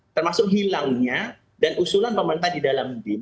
termasuk hilangnya dan usulan pemerintah di dalam dim